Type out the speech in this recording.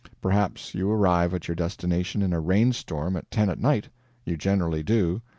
Perhaps you arrive at your destination in a rain storm at ten at night you generally do.